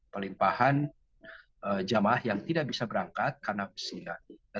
pelimpahan jamaah yang tidak bisa berangkat karena usia